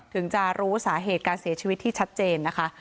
ถึงจะรู้สาเหตุการเสียชีวิตที่ชัดเจนนะคะ